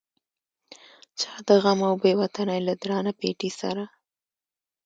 چا د غم او بې وطنۍ له درانه پیټي سره.